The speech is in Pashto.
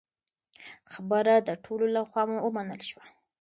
خبره د ټولو له خوا ومنل شوه.